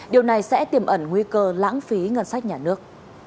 điều này sẽ tiềm ẩn nguy cơ lãng phí ngân sách nhà nước